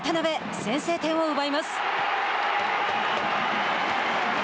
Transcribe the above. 先制点を奪います。